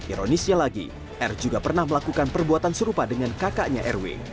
ironisnya lagi r juga pernah melakukan perbuatan serupa dengan kakaknya rw